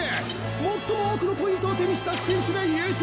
最も多くのポイントを手にした選手が優勝。